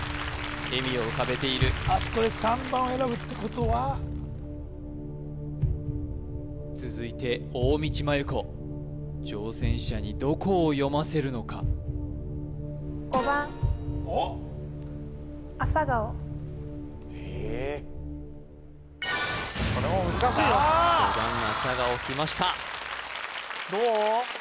笑みを浮かべているあそこで３番を選ぶってことは続いて大道麻優子挑戦者にどこを読ませるのかおっへえ５番アサガオきましたどう？